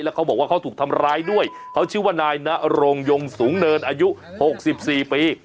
เขาบอกว่าเขาถูกทำร้ายด้วยเขาชื่อว่านายนรงยงสูงเนินอายุ๖๔ปี